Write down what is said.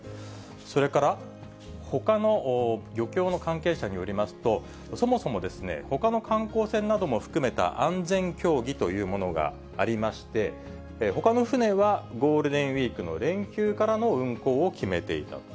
それから、ほかの漁協の関係者によりますと、そもそもほかの観光船なども含めた安全協議というものがありまして、ほかの船はゴールデンウィークの連休からの運航を決めていたと。